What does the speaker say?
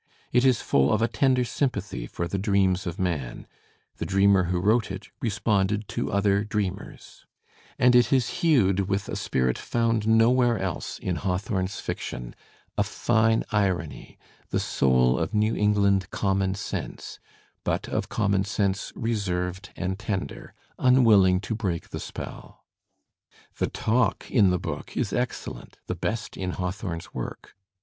It is full of a tender sympathy for the dreams of man; the dreamer who wrote it responded to other dreamers. And it is hued with a spirit found nowhere else in Digitized by Google 90 THE SPIRIT OF AMERICAN LITERATURE Hawthorne's fiction, a fine irony, the soul of New England common sense, but of common sense reserved and tender, unwilling to break the spell. The talk in the book is excellent, the best in Hawthorne's work.